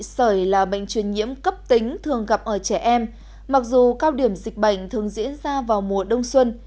sởi là bệnh truyền nhiễm cấp tính thường gặp ở trẻ em mặc dù cao điểm dịch bệnh thường diễn ra vào mùa đông xuân